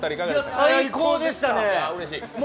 最高でしたね。